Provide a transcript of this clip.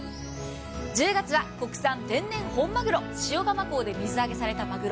１０月は国産天然本まぐろ塩釜港で水揚げされたまぐろ。